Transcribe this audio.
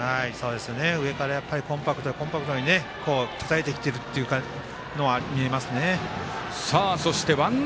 上からコンパクトにたたいてきてるっていうのは見えますね。